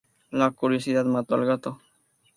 La curiosidad mató al gato